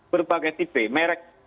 berbagai tipe merek